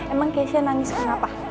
emang kek syah nangis kenapa